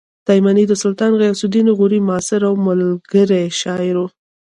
تایمني د سلطان غیاث الدین غوري معاصر او ملګری شاعر و